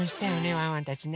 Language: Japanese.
ワンワンたちね。